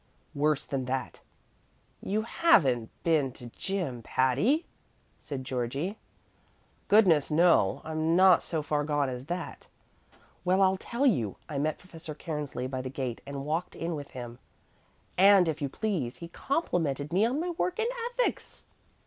"Worse than that." "You haven't been to gym, Patty!" said Georgie. "Goodness, no! I'm not so far gone as that. Well, I'll tell you. I met Professor Cairnsley by the gate and walked in with him, and, if you please, he complimented me on my work in ethics!"